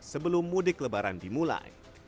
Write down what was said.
sebelum mudik lebaran dimulai